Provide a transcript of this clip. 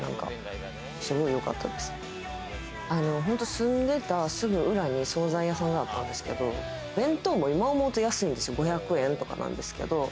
住んでた裏に、惣菜屋さんがあったんですけど、弁当も今思うと安いんですよ、５００円とかなんですけど。